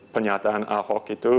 penyataan ahok itu